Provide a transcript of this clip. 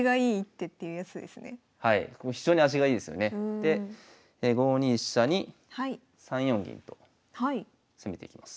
で５二飛車に３四銀と攻めていきます。